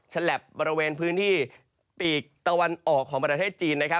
ฉลับบริเวณพื้นที่ปีกตะวันออกของประเทศจีน